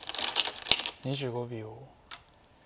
２５秒。